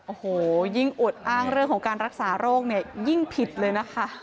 โอ้โหยิ่งอวดอ้างเรื่องของการรักษาโรคเนี่ยยิ่งผิดเลยนะคะ